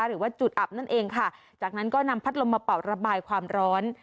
หรือว่าจุดอับนั่นเองค่ะจากนั้นก็นำพัดลมมาเป่าระบายความร้อน